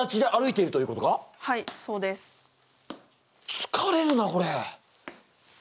つかれるなこれ。